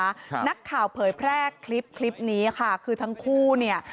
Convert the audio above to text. ครับนักข่าวเผยแพร่คลิปคลิปนี้ค่ะคือทั้งคู่เนี่ย